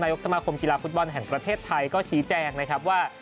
ยกสมาคมกีฬาฟุตบอลแห่งประเทศไทยก็ชี้แจงนะครับว่า